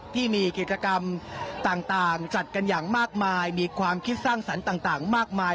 ที่มีกิจกรรมต่างจัดกันอย่างมากมายมีความคิดสร้างสรรค์ต่างมากมาย